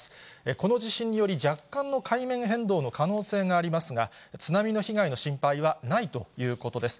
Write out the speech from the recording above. この地震により、若干の海面変動の可能性がありますが、津波の被害の心配はないということです。